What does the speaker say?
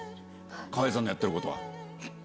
川栄さんのやってることは。